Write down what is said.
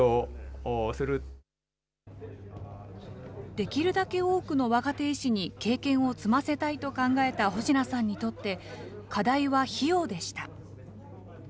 できるだけ多くの若手医師に経験を積ませたいと考えた保科さんにとって、課題は費用でした。